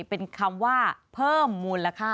เป็นคำว่าเพิ่มมูลค่า